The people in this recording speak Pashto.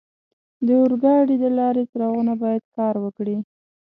د اورګاډي د لارې څراغونه باید کار وکړي.